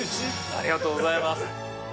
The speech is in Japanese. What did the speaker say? ありがとうございます